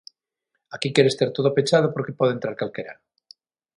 Aquí queres ter todo pechado porque pode entrar calquera.